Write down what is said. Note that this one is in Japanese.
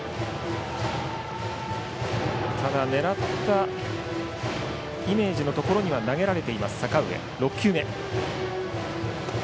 狙ったイメージのところには投げられています、阪上。